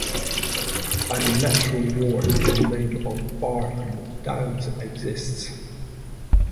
An electoral ward in the name of Barham Downs exists.